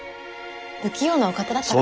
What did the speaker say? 不器用なお方だったから。